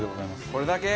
これだけ？